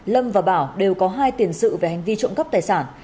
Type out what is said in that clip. lâm và bảo đều có hai tiền sự về hành vi trộm cắp tài sản